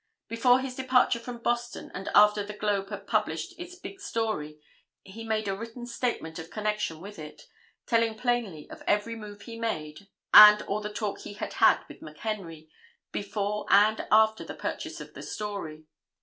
Before his departure from Boston and after the Globe had published its big story he made a written statement of connection with it, telling plainly of every move he made and of all the talk he had had with McHenry before and after the purchase of the story.